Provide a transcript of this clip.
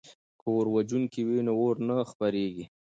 که اوروژونکي وي نو اور نه خپریږي.